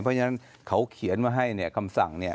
เพราะฉะนั้นเขาเขียนมาให้คำสั่ง